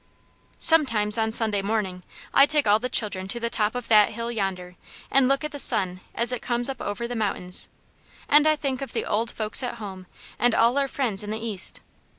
"Sometimes on Sunday morning I take all the children to the top of that hill yonder and look at the sun as it comes up over the mountains, and I think of the old folks at home and all our friends in the East.